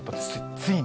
ついに。